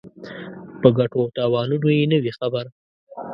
په ګټو او تاوانونو یې نه وي خبر.